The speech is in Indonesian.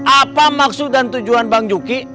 apa maksud dan tujuan bang juki